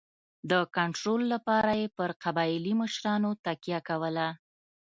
د کنټرول لپاره یې پر قبایلي مشرانو تکیه کوله.